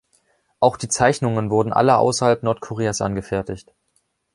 Auch die Zeichnungen wurden alle außerhalb Nordkoreas angefertigt.